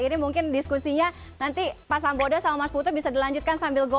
ini mungkin diskusinya nanti pak sambodo sama mas putut bisa dilanjutkan sambil goes aja ya